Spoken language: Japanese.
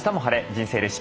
人生レシピ」。